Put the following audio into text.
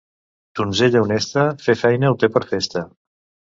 Donzella honesta, fer feina ho té per festa.